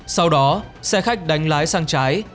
sau đó xe khách đánh lái sang trái